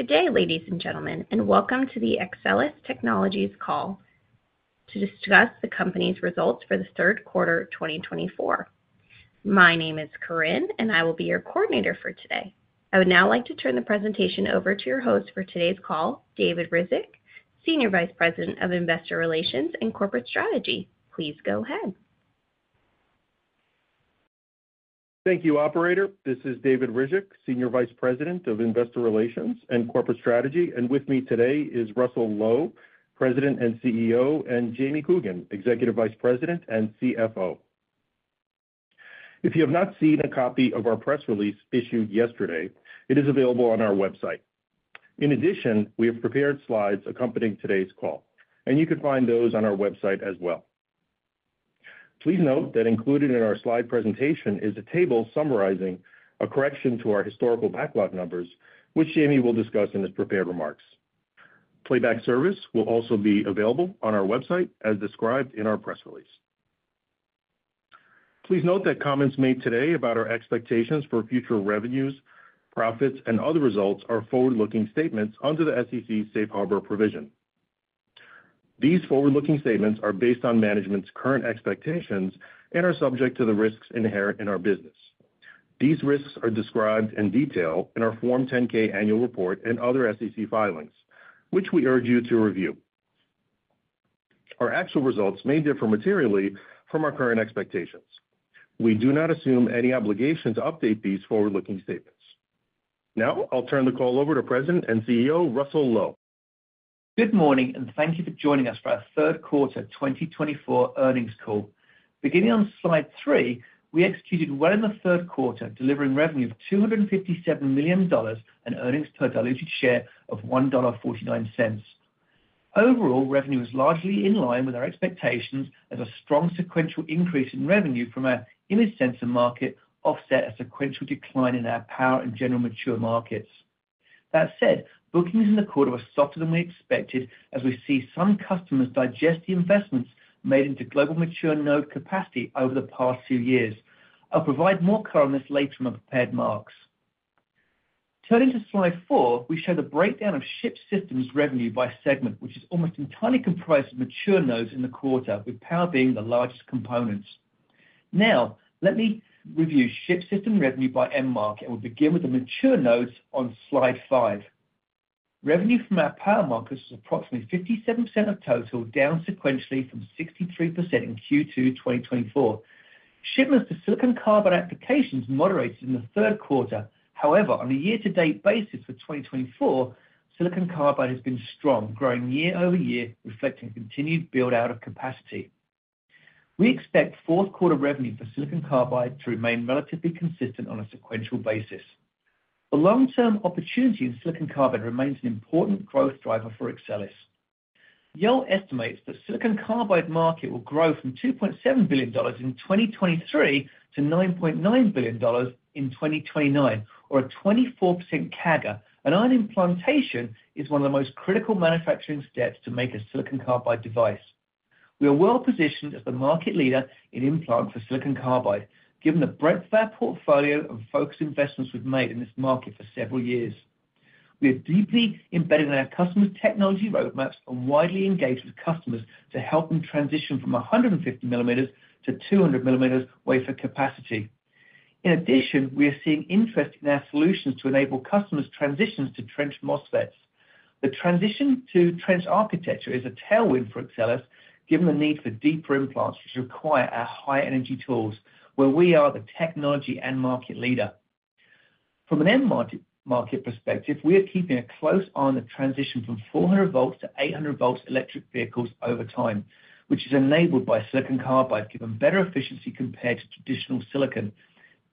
Good day, ladies and gentlemen, and welcome to the Axcelis Technologies call to discuss the company's results for the third quarter of 2024. My name is Corinne, and I will be your coordinator for today. I would now like to turn the presentation over to your host for today's call, David Ryzhik, Senior Vice President of Investor Relations and Corporate Strategy. Please go ahead. Thank you, Operator. This is David Ryzhik, Senior Vice President of Investor Relations and Corporate Strategy, and with me today is Russell Low, President and CEO, and James Coogan, Executive Vice President and CFO. If you have not seen a copy of our press release issued yesterday, it is available on our website. In addition, we have prepared slides accompanying today's call, and you can find those on our website as well. Please note that included in our slide presentation is a table summarizing a correction to our historical backlog numbers, which Jamie will discuss in his prepared remarks. Playback service will also be available on our website as described in our press release. Please note that comments made today about our expectations for future revenues, profits, and other results are forward-looking statements under the SEC Safe Harbor provision. These forward-looking statements are based on management's current expectations and are subject to the risks inherent in our business. These risks are described in detail in our Form 10-K annual report and other SEC filings, which we urge you to review. Our actual results may differ materially from our current expectations. We do not assume any obligation to update these forward-looking statements. Now, I'll turn the call over to President and CEO Russell Low. Good morning, and thank you for joining us for our third quarter 2024 earnings call. Beginning on slide three, we executed well in the third quarter, delivering revenue of $257 million and earnings per diluted share of $1.49. Overall, revenue was largely in line with our expectations as a strong sequential increase in revenue from our image sensor market offset a sequential decline in our power and general mature markets. That said, bookings in the quarter were softer than we expected as we see some customers digest the investments made into global mature node capacity over the past few years. I'll provide more color on this later on the prepared remarks. Turning to slide four, we show the breakdown of shipped systems revenue by segment, which is almost entirely comprised of mature nodes in the quarter, with power being the largest component. Now, let me review shipped system revenue by end market, and we'll begin with the mature nodes on slide five. Revenue from our power markets was approximately 57% of total, down sequentially from 63% in Q2 2024. Shipments to silicon carbide applications moderated in the third quarter. However, on a year-to-date basis for 2024, silicon carbide has been strong, growing year over year, reflecting continued build-out of capacity. We expect fourth quarter revenue for silicon carbide to remain relatively consistent on a sequential basis. The long-term opportunity in silicon carbide remains an important growth driver for Axcelis. Yole estimates that silicon carbide market will grow from $2.7 billion in 2023 to $9.9 billion in 2029, or a 24% CAGR, and ion implantation is one of the most critical manufacturing steps to make a silicon carbide device. We are well positioned as the market leader in implant for silicon carbide, given the breadth of our portfolio and focus investments we've made in this market for several years. We are deeply embedded in our customers' technology roadmaps and widely engaged with customers to help them transition from 150 mm-200 mm wafer capacity. In addition, we are seeing interest in our solutions to enable customers' transitions to trench MOSFETs. The transition to trench architecture is a tailwind for Axcelis, given the need for deeper implants, which require our high-energy tools, where we are the technology and market leader. From an end market perspective, we are keeping a close eye on the transition from 400 volts-800 volts electric vehicles over time, which is enabled by silicon carbide, giving better efficiency compared to traditional silicon.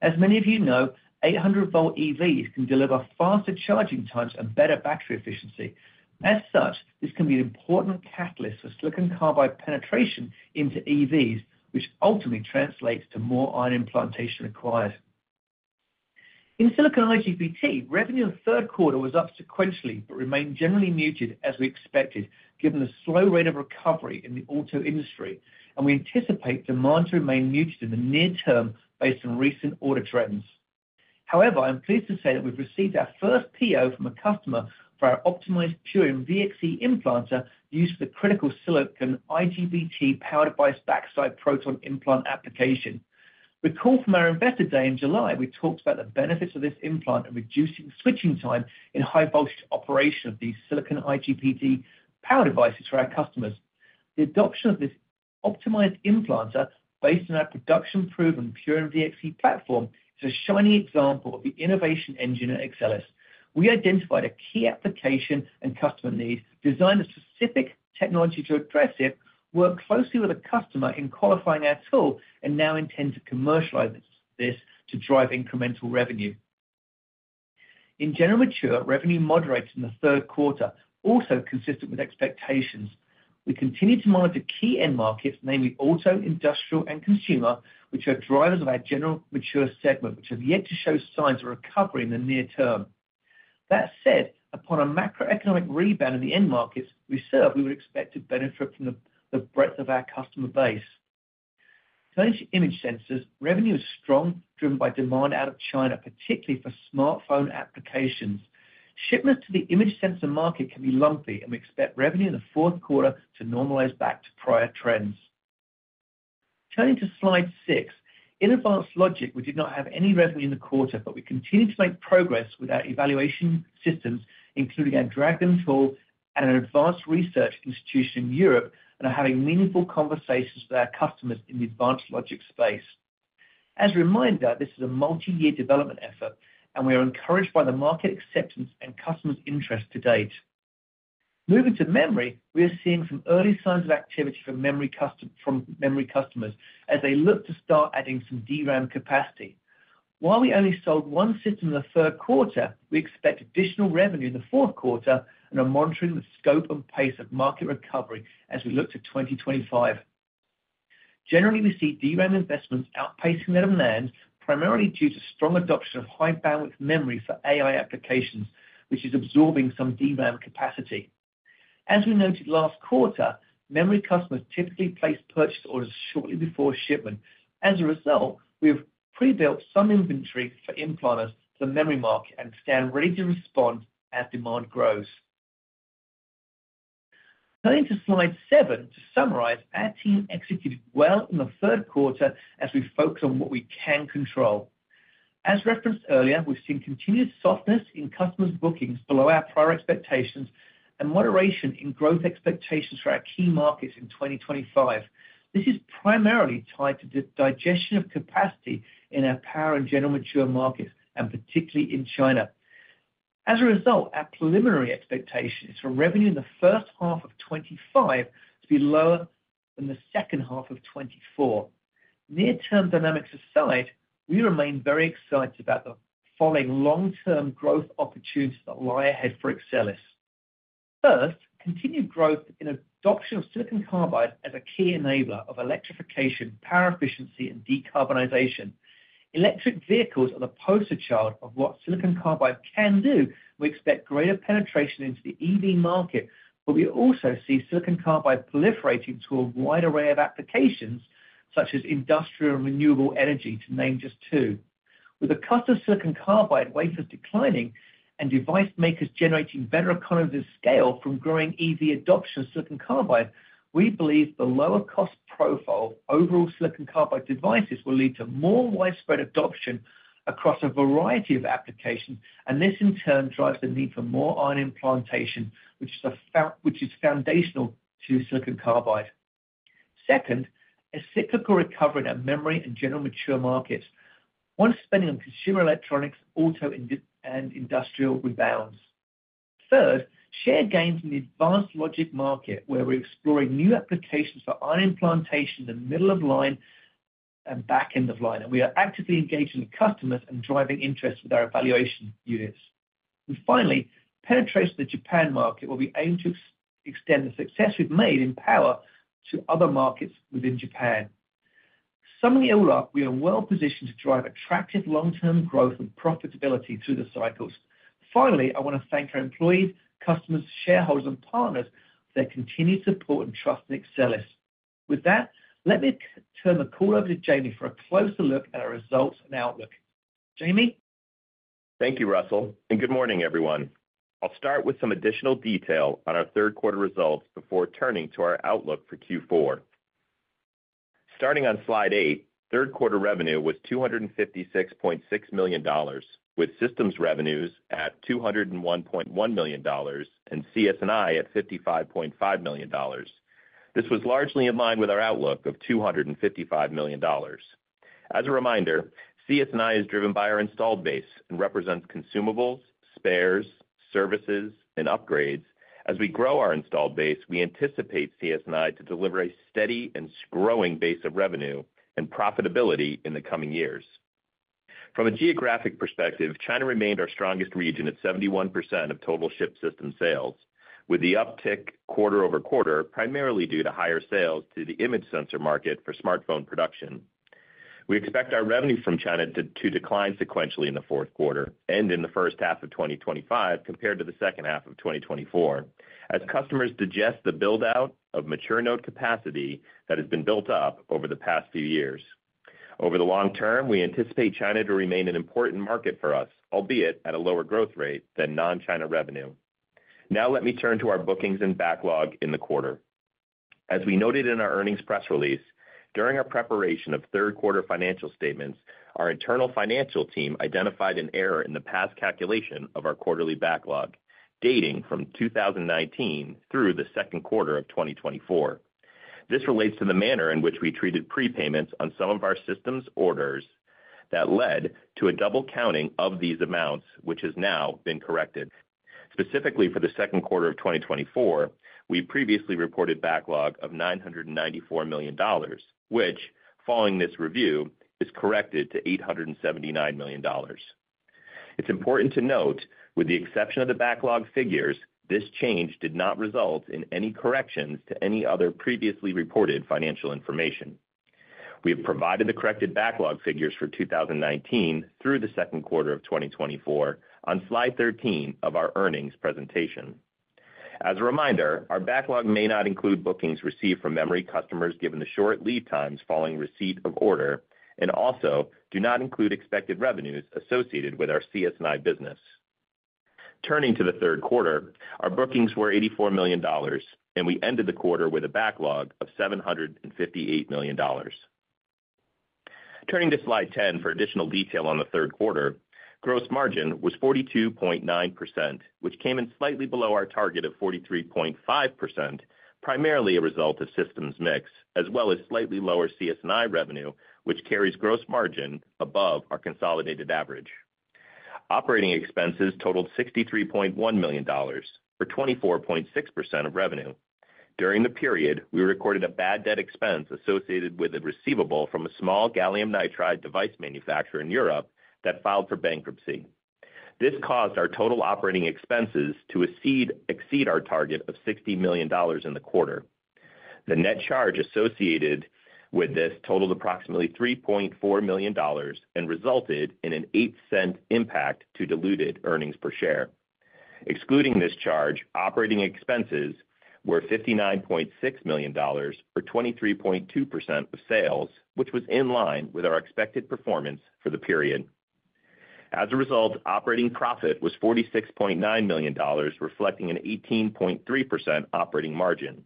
As many of you know, 800-volt EVs can deliver faster charging times and better battery efficiency. As such, this can be an important catalyst for silicon carbide penetration into EVs, which ultimately translates to more ion implantation required. In silicon IGBT, revenue in the third quarter was up sequentially but remained generally muted, as we expected, given the slow rate of recovery in the auto industry, and we anticipate demand to remain muted in the near term based on recent order trends. However, I'm pleased to say that we've received our first PO from a customer for our optimized Purion VXE implanter used for the critical silicon IGBT power device backside proton implant application. Recall from our investor day in July, we talked about the benefits of this implant and reducing switching time in high-voltage operation of these silicon IGBT power devices for our customers. The adoption of this optimized implanter based on our production-proven Purion VXE platform is a shining example of the innovation engine at Axcelis. We identified a key application and customer need, designed a specific technology to address it, worked closely with a customer in qualifying our tool, and now intend to commercialize this to drive incremental revenue. In general mature, revenue moderated in the third quarter, also consistent with expectations. We continue to monitor key end markets, namely auto, industrial, and consumer, which are drivers of our general mature segment, which have yet to show signs of recovery in the near term. That said, upon a macroeconomic rebound in the end markets we serve, we would expect to benefit from the breadth of our customer base. Turning to image sensors, revenue is strong, driven by demand out of China, particularly for smartphone applications. Shipments to the image sensor market can be lumpy, and we expect revenue in the fourth quarter to normalize back to prior trends. Turning to slide six, in advanced logic, we did not have any revenue in the quarter, but we continue to make progress with our evaluation systems, including our Dragon tool and our advanced research institution in Europe, and are having meaningful conversations with our customers in the advanced logic space. As a reminder, this is a multi-year development effort, and we are encouraged by the market acceptance and customers' interest to date. Moving to memory, we are seeing some early signs of activity from memory customers as they look to start adding some DRAM capacity. While we only sold one system in the third quarter, we expect additional revenue in the fourth quarter and are monitoring the scope and pace of market recovery as we look to 2025. Generally, we see DRAM investments outpacing their demand, primarily due to strong adoption of high bandwidth memory for AI applications, which is absorbing some DRAM capacity. As we noted last quarter, memory customers typically place purchase orders shortly before shipment. As a result, we have pre-built some inventory for implanters for the memory market and stand ready to respond as demand grows. Turning to slide seven, to summarize, our team executed well in the third quarter as we focus on what we can control. As referenced earlier, we've seen continued softness in customers' bookings below our prior expectations and moderation in growth expectations for our key markets in 2025. This is primarily tied to the digestion of capacity in our power and general mature markets, and particularly in China. As a result, our preliminary expectation is for revenue in the first half of 2025 to be lower than the second half of 2024. Near-term dynamics aside, we remain very excited about the following long-term growth opportunities that lie ahead for Axcelis. First, continued growth in adoption of silicon carbide as a key enabler of electrification, power efficiency, and decarbonization. Electric vehicles are the poster child of what silicon carbide can do. We expect greater penetration into the EV market, but we also see silicon carbide proliferating to a wide array of applications, such as industrial and renewable energy, to name just two. With the cost of silicon carbide wafers declining and device makers generating better economies of scale from growing EV adoption of silicon carbide, we believe the lower cost profile of overall silicon carbide devices will lead to more widespread adoption across a variety of applications, and this in turn drives the need for more ion implantation, which is foundational to silicon carbide. Second, a cyclical recovery in our memory and general mature markets, as spending on consumer electronics, auto, and industrial rebounds. Third, share gains in the advanced logic market, where we're exploring new applications for ion implantation in the middle of line and back end of line, and we are actively engaging with customers and driving interest with our evaluation units. Finally, penetration of the Japan market, where we aim to extend the success we've made in power to other markets within Japan. Summing it all up, we are well positioned to drive attractive long-term growth and profitability through the cycles. Finally, I want to thank our employees, customers, shareholders, and partners for their continued support and trust in Axcelis. With that, let me turn the call over to Jamie for a closer look at our results and outlook. Jamie? Thank you, Russell, and good morning, everyone. I'll start with some additional detail on our third quarter results before turning to our outlook for Q4. Starting on slide eight, third quarter revenue was $256.6 million, with systems revenues at $201.1 million and CS&I at $55.5 million. This was largely in line with our outlook of $255 million. As a reminder, CS&I is driven by our installed base and represents consumables, spares, services, and upgrades. As we grow our installed base, we anticipate CS&I to deliver a steady and growing base of revenue and profitability in the coming years. From a geographic perspective, China remained our strongest region at 71% of total shipped system sales, with the uptick quarter over quarter primarily due to higher sales to the image sensor market for smartphone production. We expect our revenue from China to decline sequentially in the fourth quarter and in the first half of 2025 compared to the second half of 2024, as customers digest the build-out of mature node capacity that has been built up over the past few years. Over the long term, we anticipate China to remain an important market for us, albeit at a lower growth rate than non-China revenue. Now, let me turn to our bookings and backlog in the quarter. As we noted in our earnings press release, during our preparation of third quarter financial statements, our internal financial team identified an error in the past calculation of our quarterly backlog dating from 2019 through the second quarter of 2024. This relates to the manner in which we treated prepayments on some of our systems orders that led to a double counting of these amounts, which has now been corrected. Specifically for the second quarter of 2024, we previously reported backlog of $994 million, which, following this review, is corrected to $879 million. It's important to note, with the exception of the backlog figures, this change did not result in any corrections to any other previously reported financial information. We have provided the corrected backlog figures for 2019 through the second quarter of 2024 on slide 13 of our earnings presentation. As a reminder, our backlog may not include bookings received from memory customers, given the short lead times following receipt of order, and also do not include expected revenues associated with our CS&I business. Turning to the third quarter, our bookings were $84 million, and we ended the quarter with a backlog of $758 million. Turning to slide 10 for additional detail on the third quarter, gross margin was 42.9%, which came in slightly below our target of 43.5%, primarily a result of systems mix, as well as slightly lower CS&I revenue, which carries gross margin above our consolidated average. Operating expenses totaled $63.1 million for 24.6% of revenue. During the period, we recorded a bad debt expense associated with a receivable from a small gallium nitride device manufacturer in Europe that filed for bankruptcy. This caused our total operating expenses to exceed our target of $60 million in the quarter. The net charge associated with this totaled approximately $3.4 million and resulted in a $0.08 impact to diluted earnings per share. Excluding this charge, operating expenses were $59.6 million for 23.2% of sales, which was in line with our expected performance for the period. As a result, operating profit was $46.9 million, reflecting an 18.3% operating margin.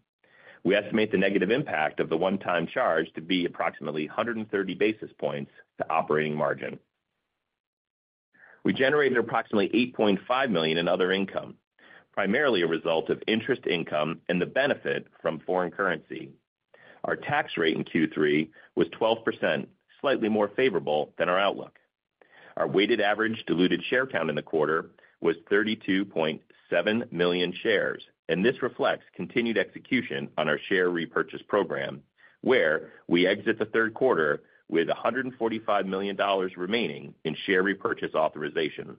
We estimate the negative impact of the one-time charge to be approximately 130 basis points to operating margin. We generated approximately $8.5 million in other income, primarily a result of interest income and the benefit from foreign currency. Our tax rate in Q3 was 12%, slightly more favorable than our outlook. Our weighted average diluted share count in the quarter was 32.7 million shares, and this reflects continued execution on our share repurchase program, where we exit the third quarter with $145 million remaining in share repurchase authorization.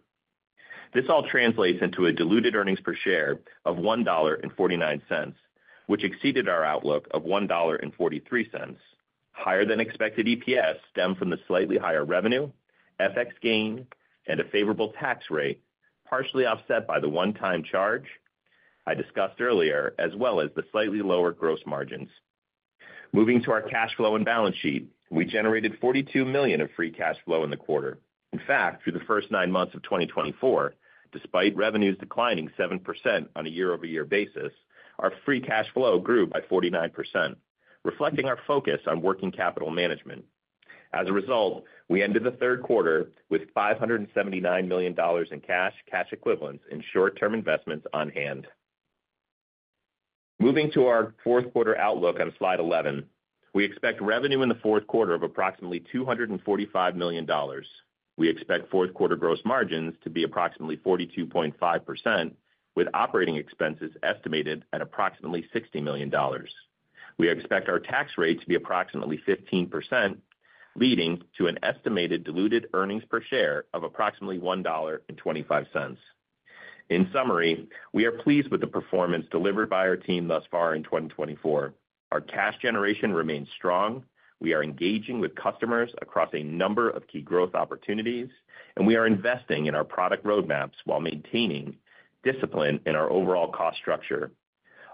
This all translates into a diluted earnings per share of $1.49, which exceeded our outlook of $1.43. Higher than expected EPS stemmed from the slightly higher revenue, FX gain, and a favorable tax rate, partially offset by the one-time charge I discussed earlier, as well as the slightly lower gross margins. Moving to our cash flow and balance sheet, we generated $42 million of free cash flow in the quarter. In fact, through the first nine months of 2024, despite revenues declining 7% on a year-over-year basis, our free cash flow grew by 49%, reflecting our focus on working capital management. As a result, we ended the third quarter with $579 million in cash equivalents and short-term investments on hand. Moving to our fourth quarter outlook on slide 11, we expect revenue in the fourth quarter of approximately $245 million. We expect fourth quarter gross margins to be approximately 42.5%, with operating expenses estimated at approximately $60 million. We expect our tax rate to be approximately 15%, leading to an estimated diluted earnings per share of approximately $1.25. In summary, we are pleased with the performance delivered by our team thus far in 2024. Our cash generation remains strong. We are engaging with customers across a number of key growth opportunities, and we are investing in our product roadmaps while maintaining discipline in our overall cost structure.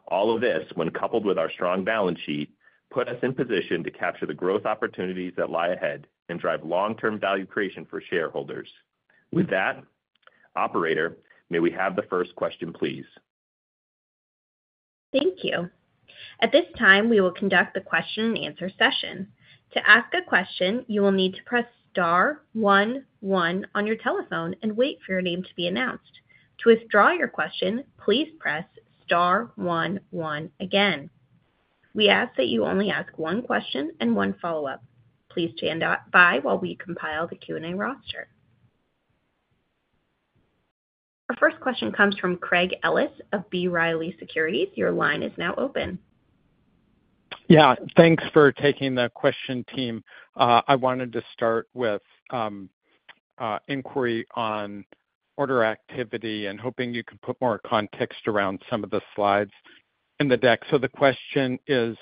All of this, when coupled with our strong balance sheet, puts us in position to capture the growth opportunities that lie ahead and drive long-term value creation for shareholders. With that, operator, may we have the first question, please? Thank you. At this time, we will conduct the question-and-answer session. To ask a question, you will need to press star one one on your telephone and wait for your name to be announced. To withdraw your question, please press star one one again. We ask that you only ask one question and one follow-up. Please stand by while we compile the Q&A roster. Our first question comes from Craig Ellis of B. Riley Securities. Your line is now open. Yeah, thanks for taking the question, team. I wanted to start with an inquiry on order activity and hoping you could put more context around some of the slides in the deck. So the question is,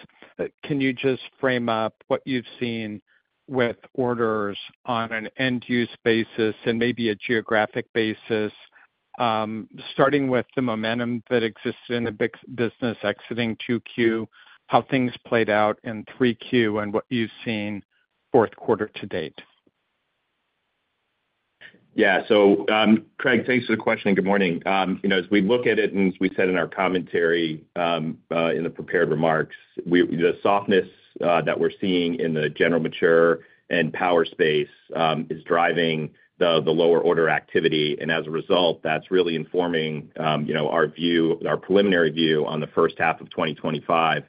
can you just frame up what you've seen with orders on an end-use basis and maybe a geographic basis, starting with the momentum that existed in the business exiting Q2, how things played out in Q3, and what you've seen fourth quarter to date? Yeah, so Craig, thanks for the question. Good morning. As we look at it, and as we said in our commentary in the prepared remarks, the softness that we're seeing in the general mature and power space is driving the lower order activity. And as a result, that's really informing our preliminary view on the first half of 2025,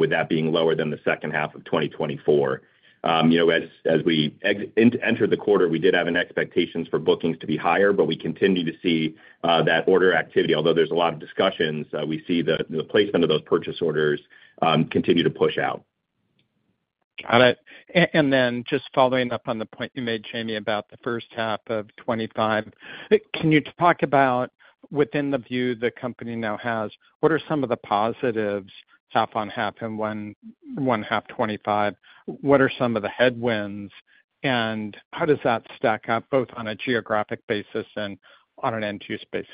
with that being lower than the second half of 2024. As we entered the quarter, we did have expectations for bookings to be higher, but we continue to see that order activity. Although there's a lot of discussions, we see the placement of those purchase orders continue to push out. Got it. And then just following up on the point you made, Jamie, about the first half of 2025, can you talk about within the view the company now has, what are some of the positives half on half and second half 2025? What are some of the headwinds, and how does that stack up both on a geographic basis and on an end-use basis?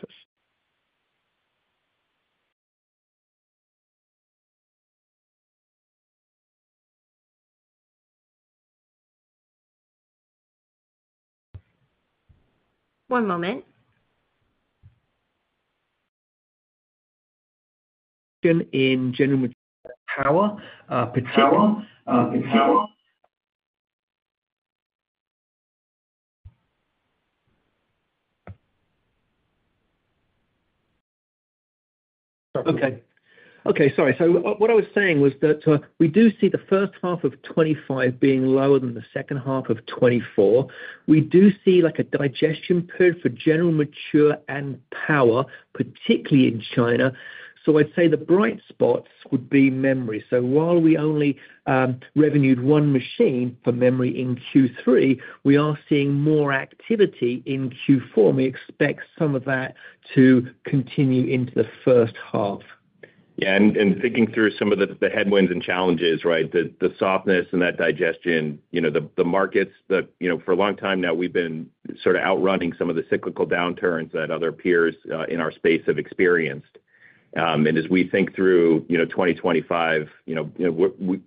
One moment. So what I was saying was that we do see the first half of 2025 being lower than the second half of 2024. We do see a digestion period for general mature and power, particularly in China. So I'd say the bright spots would be memory. So while we only revenued one machine for memory in Q3, we are seeing more activity in Q4. We expect some of that to continue into the first half. Yeah, and thinking through some of the headwinds and challenges, right, the softness and that digestion, the markets, for a long time now, we've been sort of outrunning some of the cyclical downturns that other peers in our space have experienced. And as we think through 2025,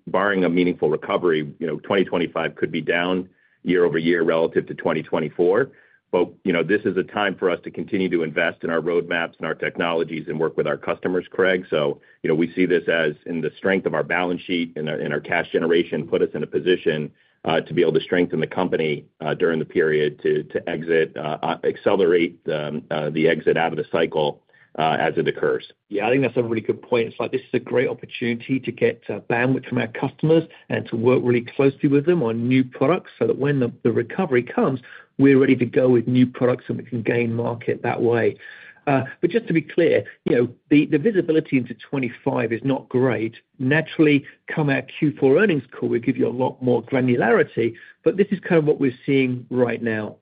barring a meaningful recovery, 2025 could be down year-over-year relative to 2024. But this is a time for us to continue to invest in our roadmaps and our technologies and work with our customers, Craig. So we see this as in the strength of our balance sheet and our cash generation put us in a position to be able to strengthen the company during the period to exit, accelerate the exit out of the cycle as it occurs. Yeah, I think that's a really good point. It's like this is a great opportunity to get bandwidth from our customers and to work really closely with them on new products so that when the recovery comes, we're ready to go with new products and we can gain market that way. But just to be clear, the visibility into 2025 is not great. Naturally, come our Q4 earnings call, we give you a lot more granularity, but this is kind of what we're seeing right now.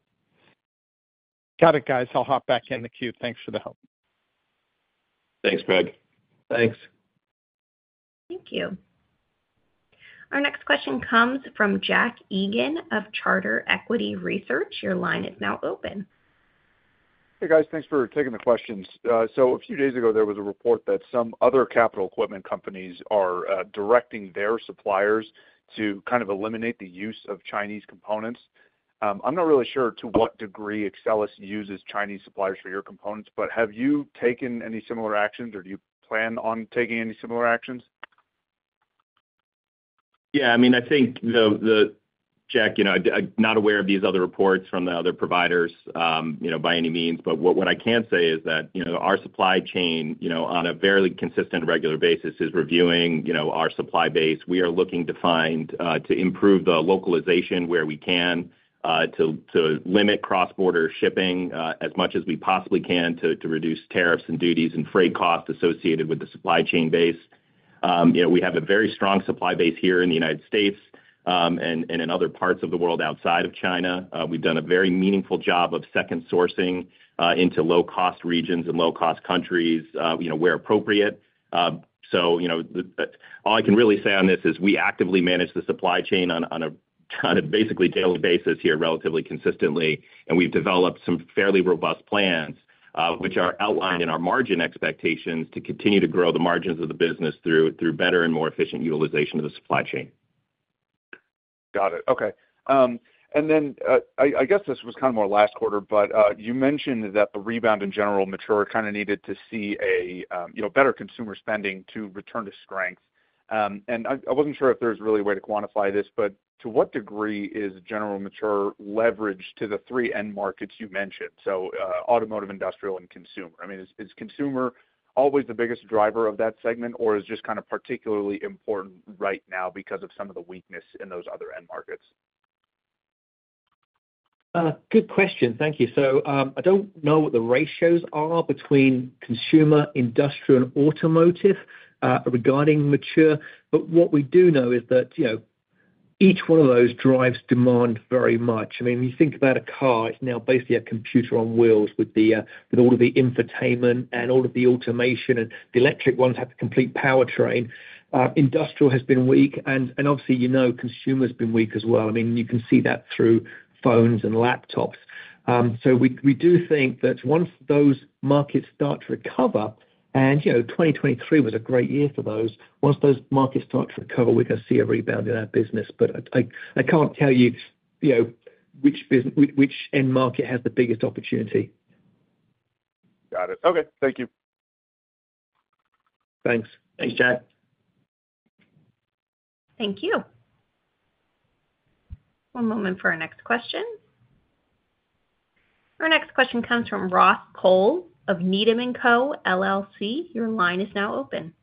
Got it, guys. I'll hop back in the queue. Thanks for the help. Thanks, Craig. Thanks. Thank you. Our next question comes from Jack Egan of Charter Equity Research. Your line is now open. Hey, guys. Thanks for taking the questions. So a few days ago, there was a report that some other capital equipment companies are directing their suppliers to kind of eliminate the use of Chinese components. I'm not really sure to what degree Axcelis uses Chinese suppliers for your components, but have you taken any similar actions, or do you plan on taking any similar actions? Yeah, I mean, Jack, I'm not aware of these other reports from the other providers by any means, but what I can say is that our supply chain, on a fairly consistent regular basis, is reviewing our supply base. We are looking to find to improve the localization where we can to limit cross-border shipping as much as we possibly can to reduce tariffs and duties and freight costs associated with the supply chain base. We have a very strong supply base here in the United States and in other parts of the world outside of China. We've done a very meaningful job of second sourcing into low-cost regions and low-cost countries where appropriate. All I can really say on this is we actively manage the supply chain on a basically daily basis here relatively consistently, and we've developed some fairly robust plans, which are outlined in our margin expectations to continue to grow the margins of the business through better and more efficient utilization of the supply chain. Got it. Okay. And then I guess this was kind of more last quarter, but you mentioned that the rebound in general mature kind of needed to see a better consumer spending to return to strength. And I wasn't sure if there's really a way to quantify this, but to what degree is general mature leveraged to the three end markets you mentioned? So automotive, industrial, and consumer. I mean, is consumer always the biggest driver of that segment, or is it just kind of particularly important right now because of some of the weakness in those other end markets? Good question. Thank you. So I don't know what the ratios are between consumer, industrial, and automotive regarding mature, but what we do know is that each one of those drives demand very much. I mean, when you think about a car, it's now basically a computer on wheels with all of the infotainment and all of the automation, and the electric ones have the complete powertrain. Industrial has been weak, and obviously, consumer has been weak as well. I mean, you can see that through phones and laptops. So we do think that once those markets start to recover, and 2023 was a great year for those, once those markets start to recover, we're going to see a rebound in our business. But I can't tell you which end market has the biggest opportunity. Got it. Okay. Thank you. Thanks. Thanks, Jack. Thank you. One moment for our next question. Our next question comes from Ross Cole of Needham & Company, LLC. Your line is now open.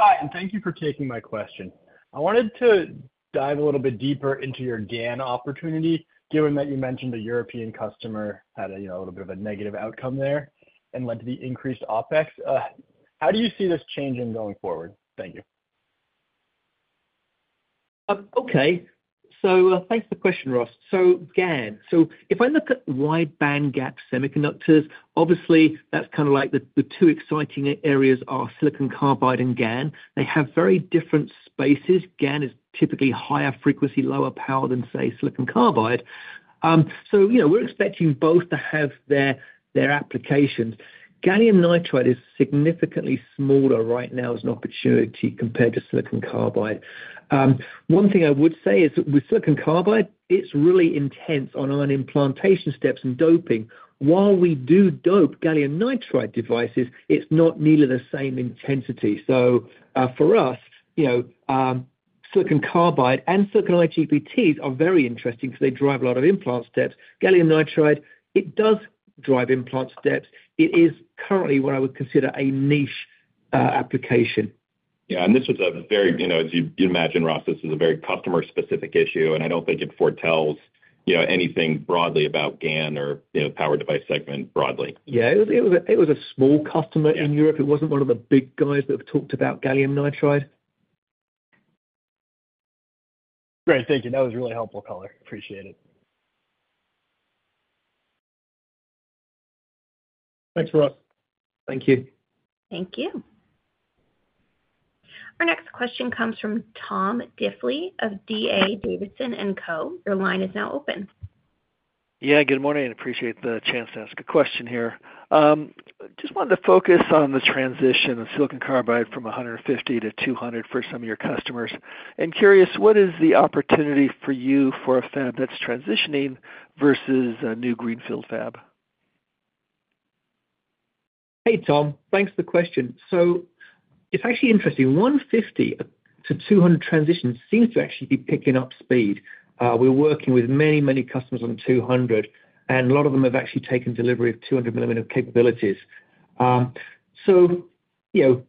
Hi, and thank you for taking my question. I wanted to dive a little bit deeper into your GaN opportunity, given that you mentioned a European customer had a little bit of a negative outcome there and led to the increased OPEX. How do you see this changing going forward? Thank you. Okay. So thanks for the question, Ross. So GaN. So if I look at wide-bandgap semiconductors, obviously, that's kind of like the two exciting areas are silicon carbide and GaN. They have very different spaces. GaN is typically higher frequency, lower power than, say, silicon carbide. So we're expecting both to have their applications. Gallium nitride is significantly smaller right now as an opportunity compared to silicon carbide. One thing I would say is with silicon carbide, it's really intense on our implantation steps and doping. While we do dope gallium nitride devices, it's not nearly the same intensity. So for us, silicon carbide and silicon IGBTs are very interesting because they drive a lot of implant steps. Gallium nitride, it does drive implant steps. It is currently what I would consider a niche application. Yeah, and this was a very, as you imagine, Ross, this is a very customer-specific issue, and I don't think it foretells anything broadly about GaN or power device segment broadly. Yeah, it was a small customer in Europe. It wasn't one of the big guys that have talked about gallium nitride. Great. Thank you. That was really helpful, Corinne. Appreciate it. Thanks, Ross. Thank you. Thank you. Our next question comes from Tom Diffley of DA Davidson & Co. Your line is now open. Yeah, good morning. Appreciate the chance to ask a question here. Just wanted to focus on the transition of silicon carbide from 150-200 for some of your customers, and curious, what is the opportunity for you for a fab that's transitioning versus a new greenfield fab? Hey, Tom. Thanks for the question. So it's actually interesting. 150-200 transition seems to actually be picking up speed. We're working with many, many customers on 200, and a lot of them have actually taken delivery of 200-millimeter capabilities. So the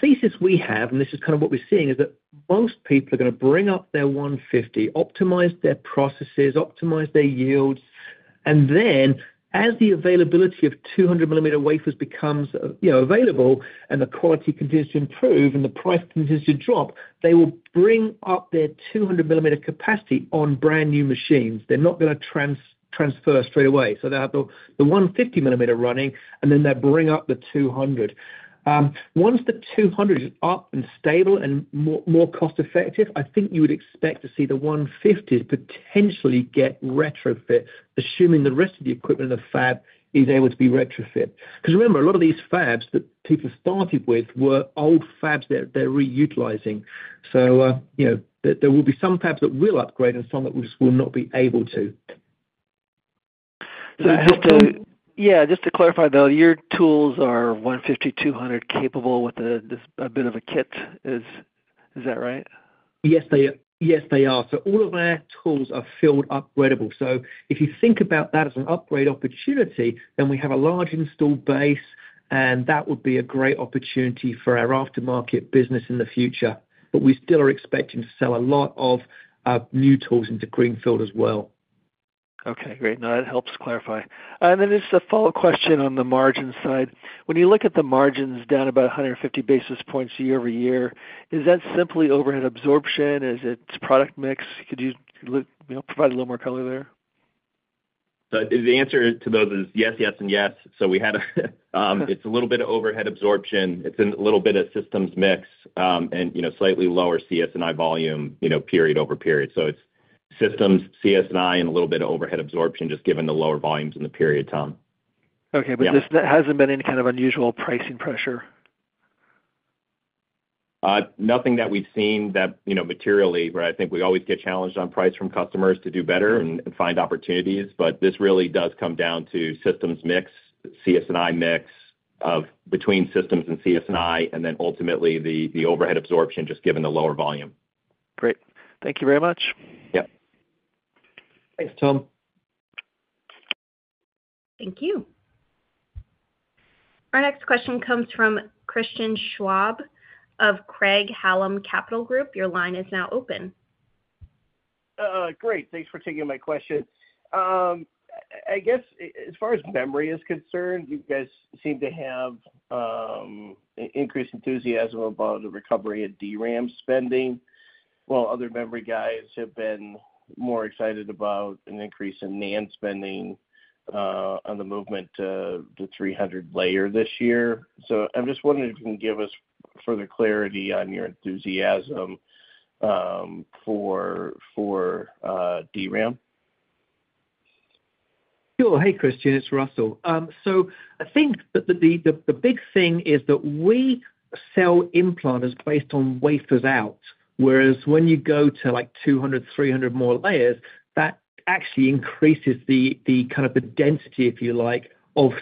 thesis we have, and this is kind of what we're seeing, is that most people are going to bring up their 150, optimize their processes, optimize their yields. And then as the availability of 200-millimeter wafers becomes available and the quality continues to improve and the price continues to drop, they will bring up their 200-millimeter capacity on brand new machines. They're not going to transfer straight away. So they'll have the 150-millimeter running, and then they'll bring up the 200. Once the 200 is up and stable and more cost-effective, I think you would expect to see the 150s potentially get retrofit, assuming the rest of the equipment in the fab is able to be retrofit. Because remember, a lot of these fabs that people started with were old fabs they're reutilizing. So there will be some fabs that will upgrade and some that will just not be able to. Yeah, just to clarify, though, your tools are 150, 200 capable with a bit of a kit. Is that right? Yes, they are. So all of our tools are field upgradable. So if you think about that as an upgrade opportunity, then we have a large installed base, and that would be a great opportunity for our aftermarket business in the future. But we still are expecting to sell a lot of new tools into greenfield as well. Okay, great. No, that helps clarify. And then there's a follow-up question on the margin side. When you look at the margins down about 150 basis points year over year, is that simply overhead absorption? Is it product mix? Could you provide a little more color there? So the answer to those is yes, yes, and yes. So we had. It's a little bit of overhead absorption. It's a little bit of systems mix and slightly lower CS&I volume, period over period. So it's systems, CS&I, and a little bit of overhead absorption just given the lower volumes in the period time. Okay, but there hasn't been any kind of unusual pricing pressure? Nothing that we've seen that materially, right? I think we always get challenged on price from customers to do better and find opportunities, but this really does come down to systems mix, CS&I mix between systems and CS&I, and then ultimately the overhead absorption just given the lower volume. Great. Thank you very much. Yep. Thanks, Tom. Thank you. Our next question comes from Christian Schwab of Craig-Hallum Capital Group. Your line is now open. Great. Thanks for taking my question. I guess as far as memory is concerned, you guys seem to have increased enthusiasm about the recovery of DRAM spending. While other memory guys have been more excited about an increase in NAND spending on the movement to 300 layer this year. So I'm just wondering if you can give us further clarity on your enthusiasm for DRAM. Sure. Hey, Christian, it's Russell. So I think that the big thing is that we sell implants based on wafers out, whereas when you go to 200, 300 more layers, that actually increases the kind of density, if you like, of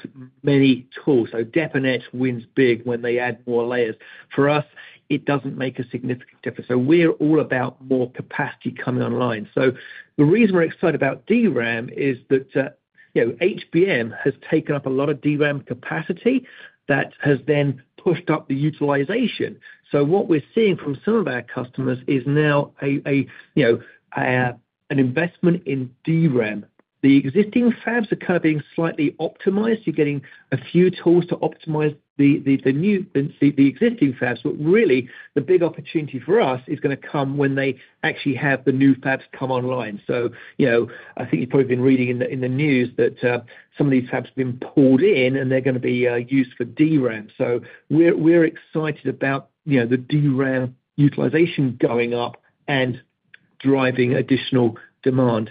many tools. So dep and etch wins big when they add more layers. For us, it doesn't make a significant difference. So we're all about more capacity coming online. So the reason we're excited about DRAM is that HBM has taken up a lot of DRAM capacity that has then pushed up the utilization. So what we're seeing from some of our customers is now an investment in DRAM. The existing fabs are kind of being slightly optimized. You're getting a few tools to optimize the existing fabs. But really, the big opportunity for us is going to come when they actually have the new fabs come online. So I think you've probably been reading in the news that some of these fabs have been pulled in, and they're going to be used for DRAM. So we're excited about the DRAM utilization going up and driving additional demand.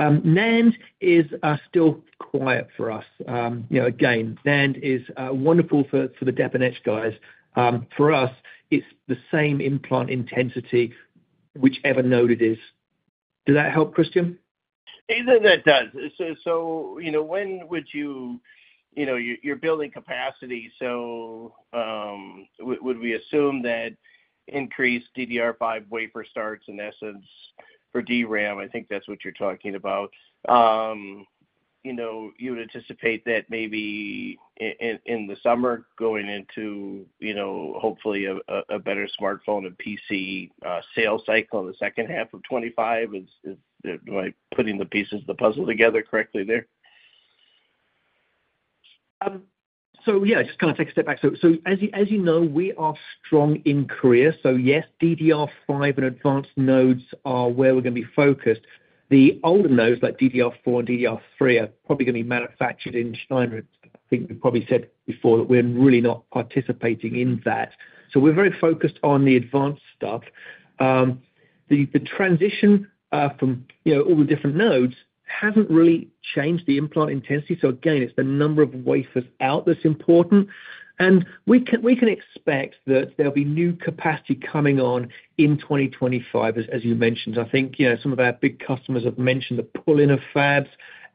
NAND is still quiet for us. Again, NAND is wonderful for the dep and etch guys. For us, it's the same implant intensity, whichever node it is. Does that help, Christian? It does. So when would you you're building capacity? So would we assume that increased DDR5 wafer starts in essence for DRAM? I think that's what you're talking about. You would anticipate that maybe in the summer going into hopefully a better smartphone and PC sales cycle in the second half of 2025? Am I putting the pieces of the puzzle together correctly there? So yeah, just kind of take a step back. So as you know, we are strong in Korea. So yes, DDR5 and advanced nodes are where we're going to be focused. The older nodes like DDR4 and DDR3 are probably going to be manufactured in China. I think we probably said before that we're really not participating in that. So we're very focused on the advanced stuff. The transition from all the different nodes hasn't really changed the implant intensity. So again, it's the number of wafers out that's important. And we can expect that there'll be new capacity coming on in 2025, as you mentioned. I think some of our big customers have mentioned the pull-in of fabs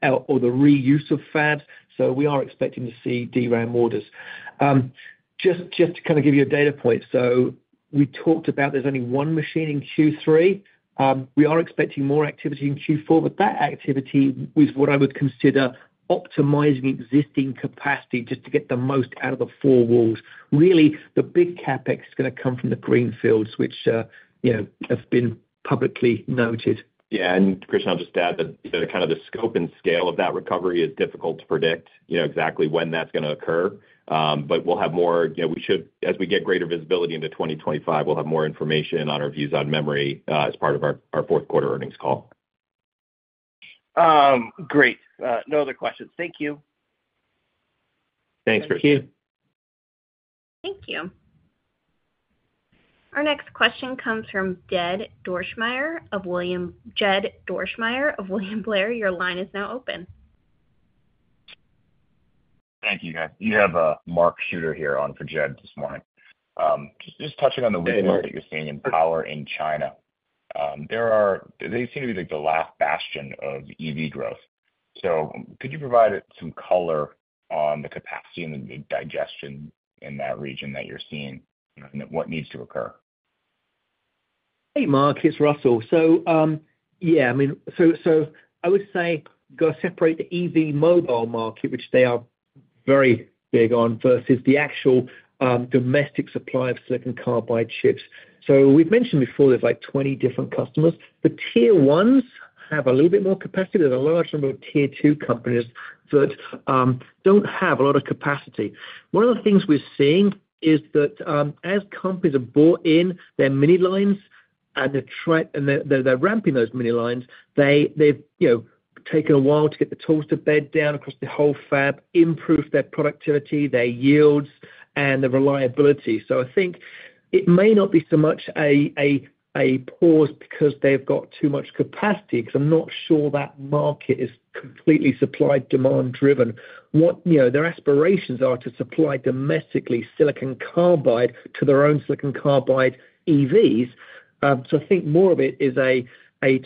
or the reuse of fabs. So we are expecting to see DRAM orders. Just to kind of give you a data point, so we talked about there's only one machine in Q3. We are expecting more activity in Q4, but that activity is what I would consider optimizing existing capacity just to get the most out of the four walls. Really, the big CapEx is going to come from the greenfields, which have been publicly noted. Yeah. And, Christian, I'll just add that kind of the scope and scale of that recovery is difficult to predict exactly when that's going to occur. But we'll have more as we get greater visibility into 2025, we'll have more information on our views on memory as part of our fourth quarter earnings call. Great. No other questions. Thank you. Thanks, Christian. Thank you. Thank you. Our next question comes from Jed Dorsmeyer of William Blair. Your line is now open. Thank you, guys. You have Mark Schutter here on for Jed this morning. Just touching on the window that you're seeing in power in China. They seem to be the last bastion of EV growth. So could you provide some color on the capacity and the digestion in that region that you're seeing and what needs to occur? Hey, Mark. It's Russell. So yeah, I mean, so I would say you've got to separate the EV mobile market, which they are very big on, versus the actual domestic supply of silicon carbide chips. So we've mentioned before there's like 20 different customers. The tier ones have a little bit more capacity. There's a large number of tier two companies that don't have a lot of capacity. One of the things we're seeing is that as companies have bought in their mini lines and they're ramping those mini lines, they've taken a while to get the tools to bed down across the whole fab, improve their productivity, their yields, and the reliability. So I think it may not be so much a pause because they've got too much capacity, because I'm not sure that market is completely supply-demand-driven. What their aspirations are to supply domestically silicon carbide to their own silicon carbide EVs. So I think more of it is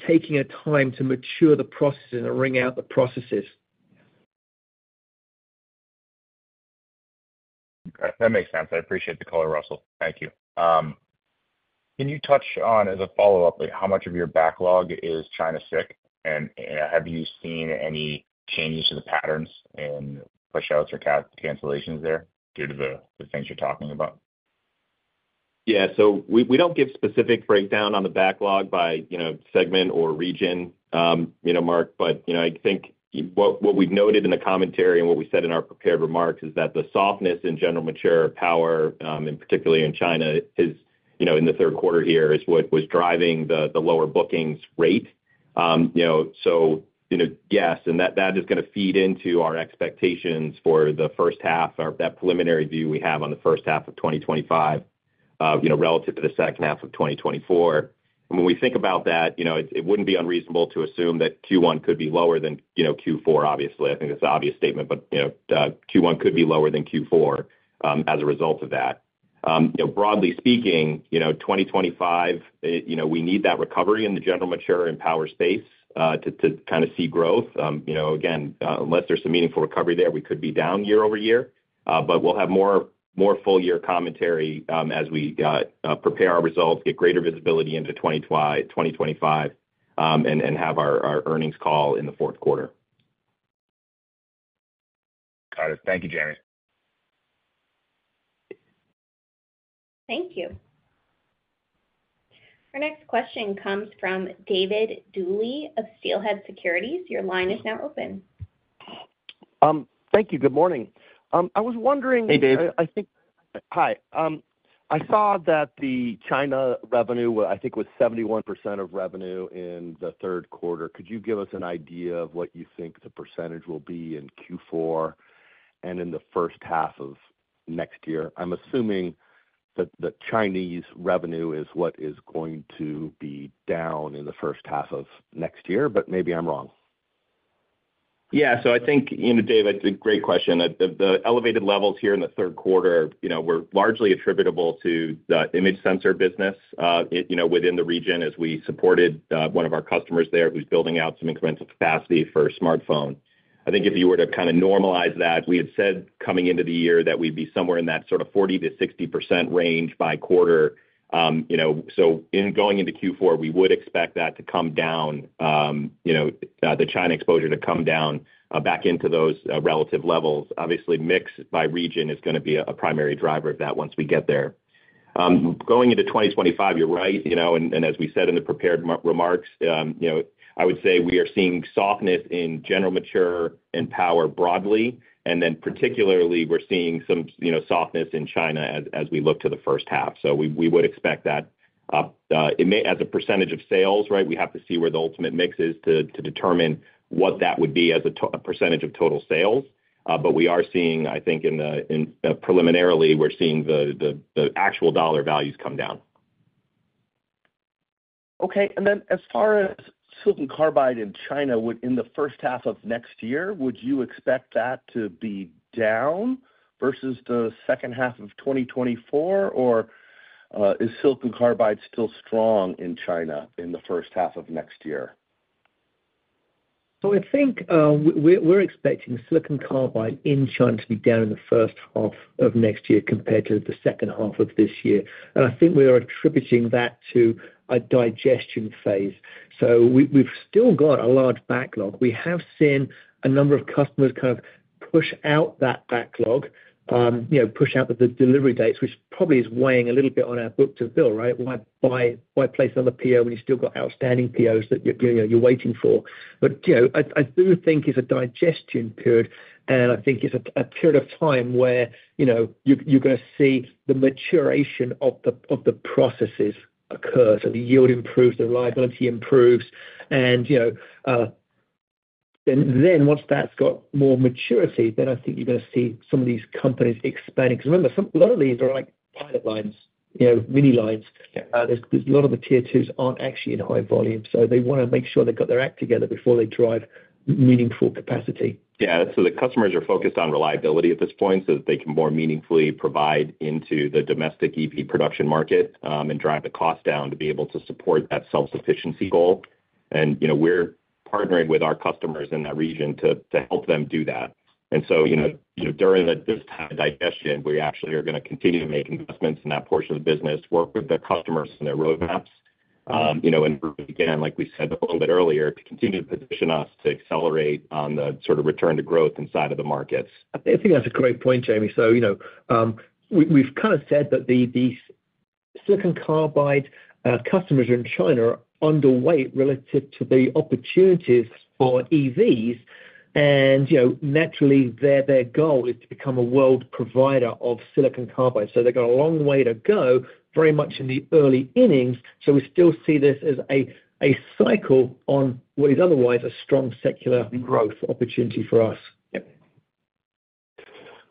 taking a time to mature the processes and wring out the processes. That makes sense. I appreciate the color, Russell. Thank you. Can you touch on, as a follow-up, how much of your backlog is China mix? And have you seen any changes to the patterns in push-outs or cancellations there due to the things you're talking about? Yeah, so we don't give specific breakdown on the backlog by segment or region, Mark, but I think what we've noted in the commentary and what we said in our prepared remarks is that the softness in general mature power, particularly in China, in the third quarter here is what was driving the lower bookings rate, so yes, and that is going to feed into our expectations for the first half, that preliminary view we have on the first half of 2025 relative to the second half of 2024, and when we think about that, it wouldn't be unreasonable to assume that Q1 could be lower than Q4, obviously, I think that's an obvious statement, but Q1 could be lower than Q4 as a result of that. Broadly speaking, 2025, we need that recovery in the general mature and power space to kind of see growth. Again, unless there's some meaningful recovery there, we could be down year over year. But we'll have more full-year commentary as we prepare our results, get greater visibility into 2025, and have our earnings call in the fourth quarter. Got it. Thank you, Jamie. Thank you. Our next question comes from David Duley of Steelhead Securities. Your line is now open. Thank you. Good morning. I was wondering. Hey, David. Hi. I saw that the China revenue, I think, was 71% of revenue in the third quarter. Could you give us an idea of what you think the percentage will be in Q4 and in the first half of next year? I'm assuming that the Chinese revenue is what is going to be down in the first half of next year, but maybe I'm wrong. Yeah. So I think, David, it's a great question. The elevated levels here in the third quarter were largely attributable to the image sensor business within the region as we supported one of our customers there who's building out some incremental capacity for smartphone. I think if you were to kind of normalize that, we had said coming into the year that we'd be somewhere in that sort of 40%-60% range by quarter. So in going into Q4, we would expect that to come down, the China exposure to come down back into those relative levels. Obviously, mix by region is going to be a primary driver of that once we get there. Going into 2025, you're right. And as we said in the prepared remarks, I would say we are seeing softness in general mature and power broadly. And then particularly, we're seeing some softness in China as we look to the first half. So we would expect that as a percentage of sales, right? We have to see where the ultimate mix is to determine what that would be as a percentage of total sales. But we are seeing, I think, in preliminarily, we're seeing the actual dollar values come down. Okay. And then as far as silicon carbide in China in the first half of next year, would you expect that to be down versus the second half of 2024? Or is silicon carbide still strong in China in the first half of next year? So I think we're expecting silicon carbide in China to be down in the first half of next year compared to the second half of this year. And I think we are attributing that to a digestion phase. So we've still got a large backlog. We have seen a number of customers kind of push out that backlog, push out the delivery dates, which probably is weighing a little bit on our book-to-bill, right? Why place another PO when you've still got outstanding POs that you're waiting for? But I do think it's a digestion period. I think it's a period of time where you're going to see the maturation of the processes occur. So the yield improves, the reliability improves. And then once that's got more maturity, then I think you're going to see some of these companies expanding. Because remember, a lot of these are like pilot lines, mini lines. There's a lot of the tier twos aren't actually in high volume. So they want to make sure they've got their act together before they drive meaningful capacity. Yeah. So the customers are focused on reliability at this point so that they can more meaningfully provide into the domestic EV production market and drive the cost down to be able to support that self-sufficiency goal. And we're partnering with our customers in that region to help them do that. And so during this time of digestion, we actually are going to continue to make investments in that portion of the business, work with the customers and their roadmaps. And again, like we said a little bit earlier, to continue to position us to accelerate on the sort of return to growth inside of the markets. I think that's a great point, Jamie. So we've kind of said that these silicon carbide customers in China are underweight relative to the opportunities for EVs. And naturally, their goal is to become a world provider of silicon carbide. So they've got a long way to go very much in the early innings. So we still see this as a cycle on what is otherwise a strong secular growth opportunity for us.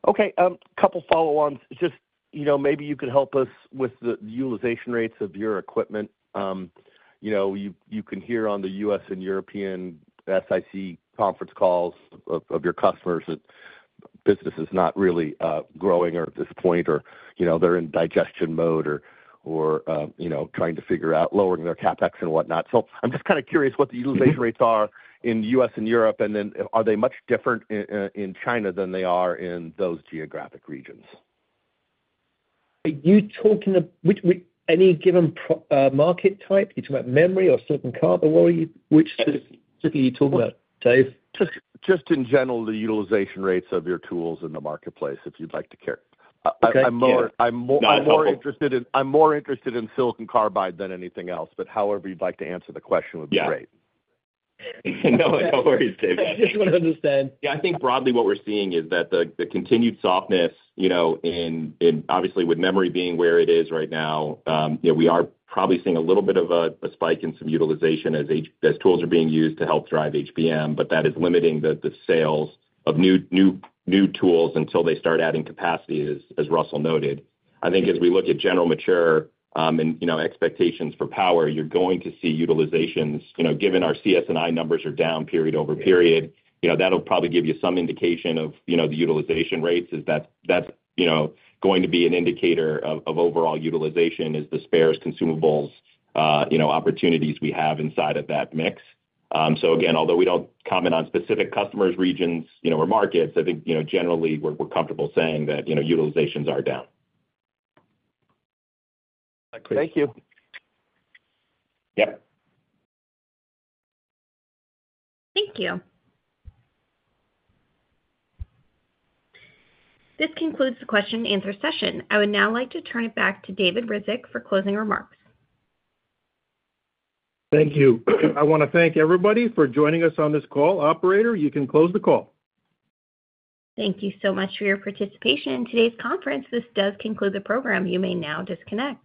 Okay. A couple of follow-ons. Just maybe you could help us with the utilization rates of your equipment. You can hear on the U.S. and European SiC conference calls of your customers that business is not really growing at this point, or they're in digestion mode or trying to figure out lowering their CapEx and whatnot. So I'm just kind of curious what the utilization rates are in the U.S. and Europe. And then are they much different in China than they are in those geographic regions? Are you talking about any given market type? You're talking about memory or silicon carbide? Which specifically are you talking about, Dave? Just in general, the utilization rates of your tools in the marketplace, if you'd like to share. I'm more interested in silicon carbide than anything else, but however you'd like to answer the question would be great. No worries, David. Yeah. I just want to understand. Yeah. I think broadly what we're seeing is that the continued softness, obviously with memory being where it is right now, we are probably seeing a little bit of a spike in some utilization as tools are being used to help drive HBM, but that is limiting the sales of new tools until they start adding capacity, as Russell noted. I think as we look at general mature and expectations for power, you're going to see utilizations. Given our CS&I numbers are down period over period, that'll probably give you some indication of the utilization rates is that that's going to be an indicator of overall utilization is the spares consumables opportunities we have inside of that mix. So again, although we don't comment on specific customers, regions, or markets, I think generally we're comfortable saying that utilizations are down. Thank you. Yep. Thank you. This concludes the question-and-answer session. I would now like to turn it back to David Ryzhik for closing remarks. Thank you. I want to thank everybody for joining us on this call. Operator, you can close the call. Thank you so much for your participation in today's conference. This does conclude the program. You may now disconnect.